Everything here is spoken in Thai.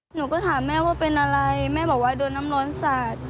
หนูก็ถามแม่ว่าเป็นอะไรแม่บอกว่าโดนน้ำร้อนสาด